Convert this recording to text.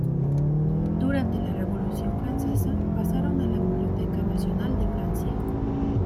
Durante la Revolución Francesa pasaron a la Biblioteca Nacional de Francia.